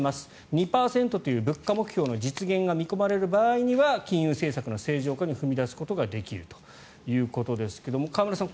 ２％という物価目標の実現が見込まれる場合には金融政策の正常化に踏み出すことができるということですが河村さん